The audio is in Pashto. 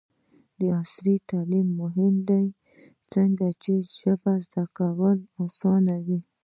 عصري تعلیم مهم دی ځکه چې د ژبو زدکړه اسانوي.